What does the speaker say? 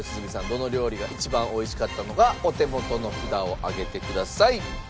どの料理が一番美味しかったのかお手元の札を上げてください。